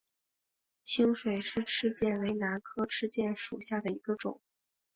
清水氏赤箭为兰科赤箭属下的一个种。